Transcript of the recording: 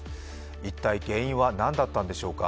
一体原因は何だったんでしょうか。